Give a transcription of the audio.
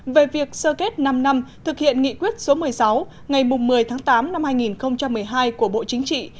về việc sơ kết năm năm thực hiện nghị quyết số một mươi sáu ngày một mươi tháng tám năm hai nghìn một mươi hai của bộ chính trị